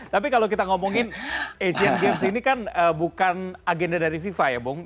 tapi kalau kita ngomongin asian games ini kan bukan agenda dari fifa ya bung